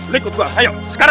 maka ditarik tarik segala